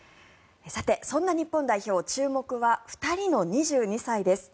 そんな日本代表注目は２人の２２歳です。